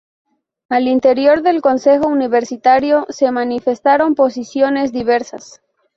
Al interior del Consejo Universitario se manifestaron posiciones diversas.